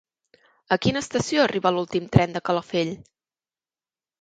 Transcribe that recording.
A quina estació arriba l'últim tren de Calafell?